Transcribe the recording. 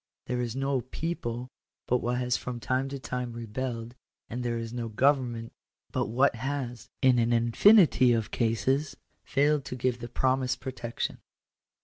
There is no people but what has from time to time rebelled ; and there is no government but what has, in an infinity of cases, failed to give the promised protec tion.